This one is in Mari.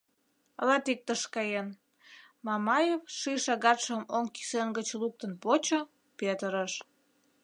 — Латиктыш каен, — Мамаев, ший шагатшым оҥ кӱсен гыч луктын почо, петырыш.